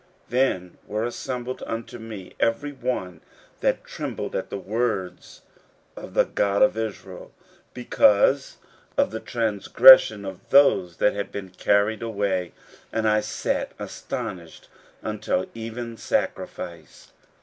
15:009:004 Then were assembled unto me every one that trembled at the words of the God of Israel, because of the transgression of those that had been carried away; and I sat astonied until the evening sacrifice.